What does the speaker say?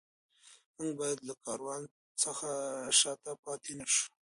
موږ باید له کاروان څخه شاته پاتې نه شو.